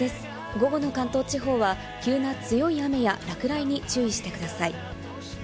午後の関東地方は急な強い雨や、落雷に注意してください。